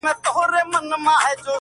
د منصوري قسمت مي څو کاڼي لا نور پاته دي!